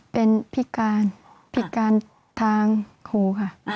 เป็นพิการพิการทางครูค่ะ